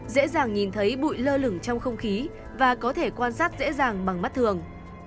dễ dàng nhìn thấy bụi lơ lửng trong không khí và có thể quan sát dễ dàng bằng mắt thường